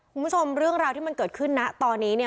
คุณผู้ชมเรื่องราวที่มันเกิดขึ้นนะตอนนี้เนี่ย